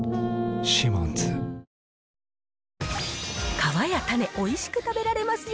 皮や種おいしく食べられますよ！